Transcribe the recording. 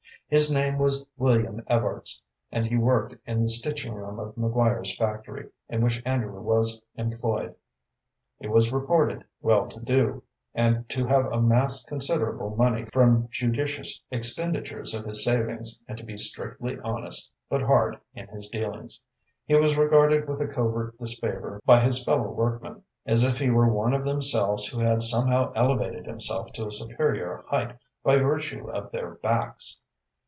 His name was William Evarts, and he worked in the stitching room of McGuire's factory, in which Andrew was employed. He was reported well to do, and to have amassed considerable money from judicious expenditures of his savings, and to be strictly honest, but hard in his dealings. He was regarded with a covert disfavor by his fellow workmen, as if he were one of themselves who had somehow elevated himself to a superior height by virtue of their backs.